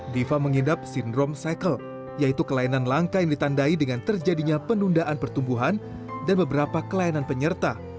diva mengidap sindrom cycle yaitu kelainan langka yang ditandai dengan terjadinya penundaan pertumbuhan dan beberapa kelainan penyerta